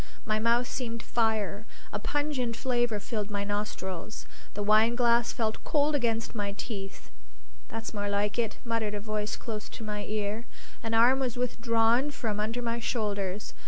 My mouth seemed fire; a pungent flavor filled my nostrils; the wineglass felt cold against my teeth. "That's more like it!" muttered a voice close to my ear. An arm was withdrawn from under my shoulders.